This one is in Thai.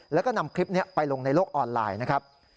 แล้วก็นำคลิปนี้ไปลงในโลกออนไลน์นะครับ